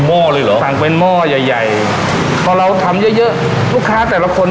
ห้อเลยเหรอสั่งเป็นหม้อใหญ่ใหญ่พอเราทำเยอะเยอะลูกค้าแต่ละคน